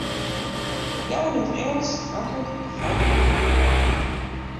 Jou yn it Ingelsk antwurd op de folgjende fragen.